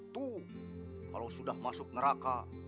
tuh kalau sudah masuk neraka